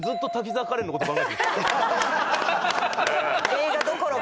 映画どころか。